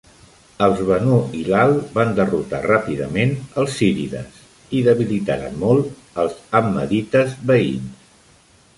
Els banu hilal van derrotar ràpidament els zírides i debilitaren molt els hammadites veïns.